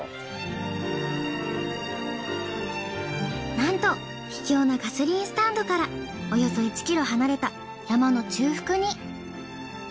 なんと秘境のガソリンスタンドからおよそ１キロ離れた山の中腹に。